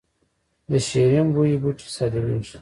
د شیرین بویې بوټی صادریږي